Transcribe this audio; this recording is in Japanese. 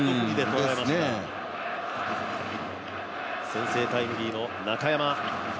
先制タイムリーの中山。